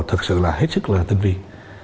thật sự là hết sức là tinh viên